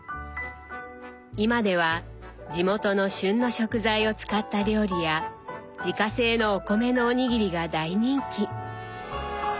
今では地元の旬の食材を使った料理や自家製のお米のお握りが大人気。